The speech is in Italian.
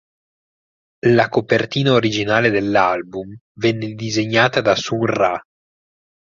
La copertina originale dell'album venne disegnata da Sun Ra.